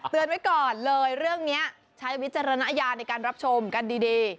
เตือนไว้ก่อนเลยเรื่องนี้ใช้วิจารณญาณในการรับชมกันดี